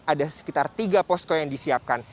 di wilayah puncak ini ada tiga posko yang disiapkan